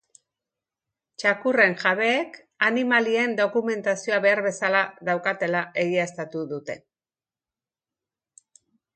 Txakurren jabeak animalien dokumentazioa behar bezala daukala egiaztatu dute.